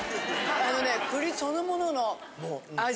あのね栗そのものの味